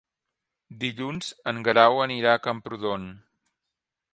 Dilluns en Guerau anirà a Camprodon.